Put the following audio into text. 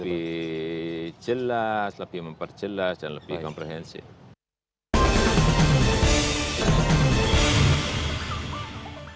lebih jelas lebih memperjelas dan lebih komprehensif